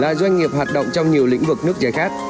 là doanh nghiệp hoạt động trong nhiều lĩnh vực nước giải khát